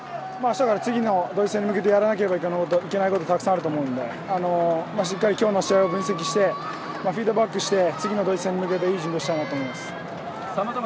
あしたから次のドイツ戦に向けてやらなければいけないことがたくさんあると思うのでしっかり今日の試合を分析してフィードバックして次のドイツ戦に向けていい準備をしたいなと思います。